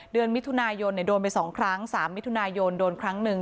เดือนมิถุนายนโดนไป๒ครั้ง๓มิถุนายนโดนครั้งหนึ่ง